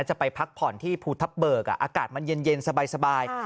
จะไปพักผ่อนที่ภูทับเบิกอากาศมันเย็นสบาย